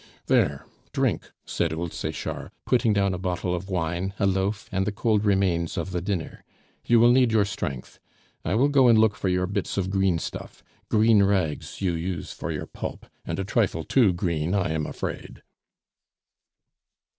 "There! drink," said old Sechard, putting down a bottle of wine, a loaf, and the cold remains of the dinner. "You will need your strength. I will go and look for your bits of green stuff; green rags you use for your pulp, and a trifle too green, I am afraid."